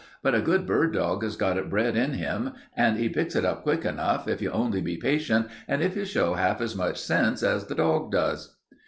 But a good bird dog has got it bred in him, and he picks it up quick enough if you can only be patient and if you show half as much sense as the dog does."